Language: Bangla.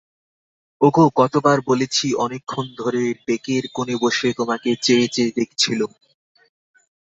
ওগো, কতবার বলেছি– অনেকক্ষণ ধরে ডেকের কোণে বসে তোমাকে চেয়ে চেয়ে দেখছিলুম।